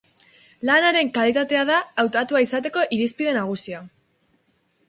Lanaren kalitatea da hautatua izateko irizpide nagusia.